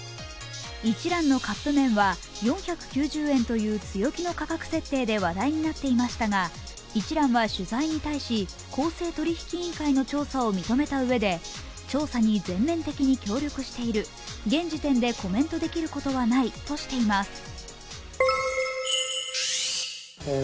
一蘭のカップ麺は４９０円という強気の価格設定で話題になっていましたが、一蘭は取材に対し、公正取引委員会の調査を認めたうえで調査に全面的に協力している現時点でコメントできることはないとしています。